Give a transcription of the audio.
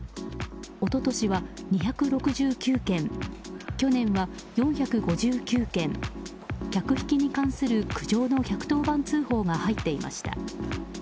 一昨年は２６９件去年は４５９件客引きに関する苦情の１１０番通報が入っていました。